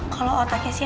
kalo otaknya sial